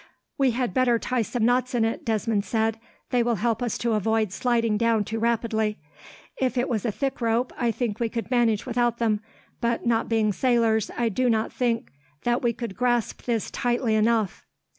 "We had better tie some knots in it," Desmond said. "They will help us to avoid sliding down too rapidly. If it was a thick rope, I think we could manage without them; but, not being sailors, I do not think that we could grasp this tightly enough."